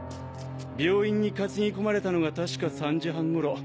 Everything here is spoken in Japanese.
病院に担ぎ込まれたのが確か３時半頃。